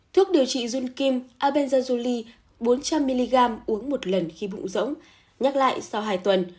thuốc điều trị jun kim abezajuli bốn trăm linh mg uống một lần khi bụng rỗng nhắc lại sau hai tuần